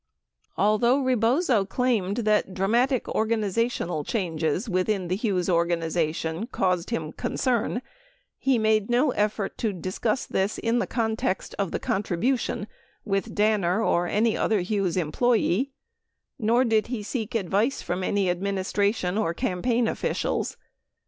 14 Although Rebozo claimed that dramatic organizational changes within the Hughes organization caused him concern, he made no effort to discuss this in the context of the contribution with Danner or any other Hughes employee, nor did he seek advice from any administra tion or campaign officials.